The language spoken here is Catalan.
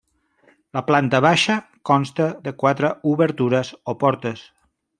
La planta baixa consta de quatre obertures o portes.